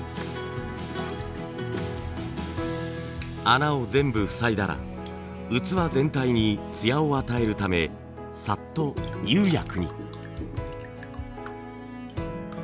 穴を全部塞いだら器全体にツヤを与えるためさっと釉薬に。